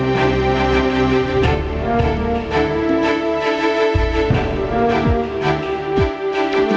ngapain ibu ibu disitu